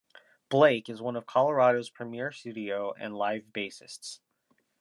Blake is one of Colorado's premier studio and live bassists.